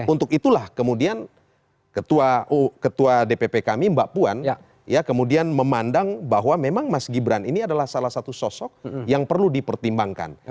untuk itulah kemudian ketua dpp kami mbak puan kemudian memandang bahwa memang mas gibran ini adalah salah satu sosok yang perlu dipertimbangkan